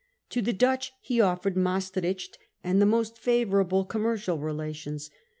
To the Dutch he offered Maestricht and the most favourable commercial relations.